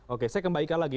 oke saya kembalikan lagi